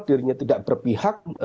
dirinya tidak berpihak